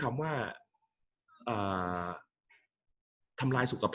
กับการสตรีมเมอร์หรือการทำอะไรอย่างเงี้ย